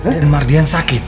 den mardian sakit